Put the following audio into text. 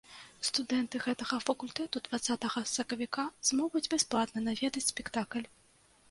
Студэнты гэтага факультэту дваццатага сакавіка змогуць бясплатна наведаць спектакль.